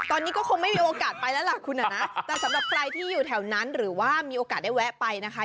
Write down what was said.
ตอนนี้ก็คงไม่มีโอกาสไปแล้วล่ะคุณนะแต่สำหรับใครที่อยู่แถวนั้นหรือว่ามีโอกาสได้แวะไปนะคะ